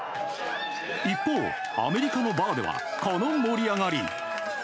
一方、アメリカのバーではこの盛り上がり。